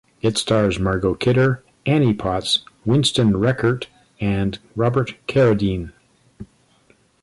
It stars Margot Kidder, Annie Potts, Winston Rekert and Robert Carradine.